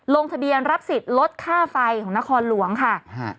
ลงทะเบียนรับสิทธิ์ลดค่าไฟของนครหลวงค่ะฮะ